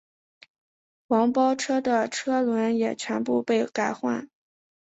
黄包车的车轮也全部被改换。